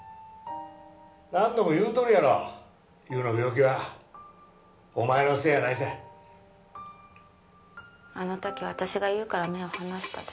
何度も言うとるやろ優の病気はお前のせいやないさあの時私が優から目を離したで